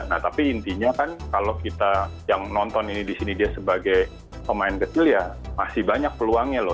nah tapi intinya kan kalau kita yang nonton ini di sini dia sebagai pemain kecil ya masih banyak peluangnya loh